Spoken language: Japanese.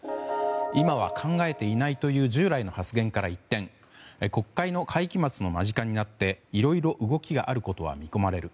今は考えていないという従来の発言から一転国会の会期末の間近になっていろいろ動きがあることは見込まれる。